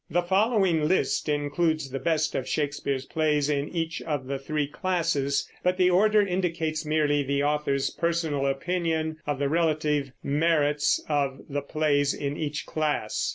The following list includes the best of Shakespeare's plays in each of the three classes; but the order indicates merely the author's personal opinion of the relative merits of the plays in each class.